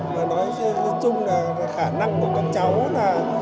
nói chung là khả năng của các cháu là